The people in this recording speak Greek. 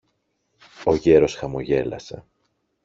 Ο γέρος χαμογέλασε